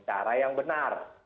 cara yang benar